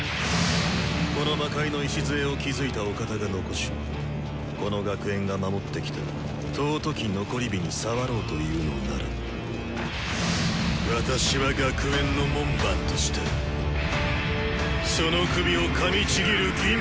この魔界の礎を築いたお方が残しこの学園が守ってきた尊き残り火に触ろうというのなら私は学園の門番としてその首をかみちぎる義務がある。